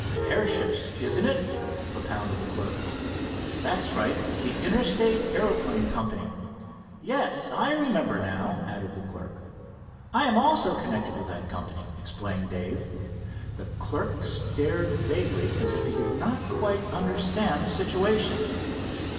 "Airships, isn't it?" propounded the clerk. "That's right. The Interstate Aeroplane Company." "Yes, I remember now," added the clerk. "I am also connected with that company," explained Dave. The clerk stared vaguely, as if he did not quite understand the situation.